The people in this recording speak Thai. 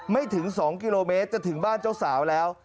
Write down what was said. ไม่ถึง๒กิโลเมตรจะถึงบ้านเจ้าสาวแล้ว